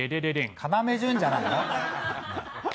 要潤じゃないの？